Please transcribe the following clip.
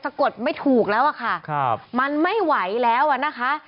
กดไม่ถูกแล้วอะค่ะครับมันไม่ไหวแล้วอ่ะนะคะ